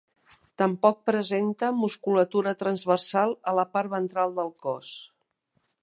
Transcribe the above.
Tampoc presenta musculatura transversal a la part ventral del cos.